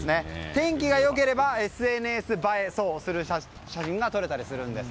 天気が良ければＳＮＳ映えする写真が撮れたりするんです。